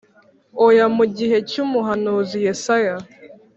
Oya Mu gihe cy umuhanuzi Yesaya.